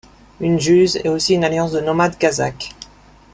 Une jüz est aussi une alliance de nomades kazakhs.